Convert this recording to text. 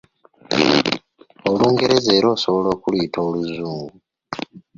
Olungereza era osobola okuluyita Oluzungu.